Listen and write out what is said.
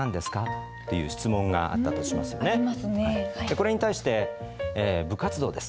これに対して「部活動です。